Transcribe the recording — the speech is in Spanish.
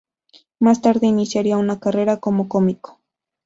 Más tarde iniciaría una carrera como cómico.